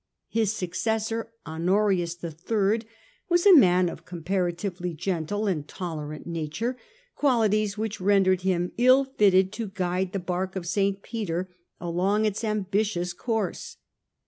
His successor, Honorius III, was a man of comparatively gentle and tolerant nature, qualities which rendered him ill fitted to guide the bark of St. Peter along its ambitious course.